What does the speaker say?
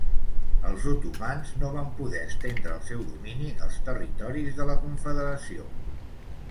Els otomans no van poder estendre el seu domini als territoris de la confederació.